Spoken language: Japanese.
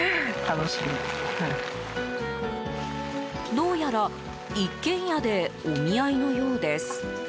どうやら、一軒家でお見合いのようです。